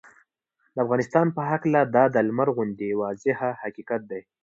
د افغانستان په هکله دا د لمر غوندې واضحه حقیقت دی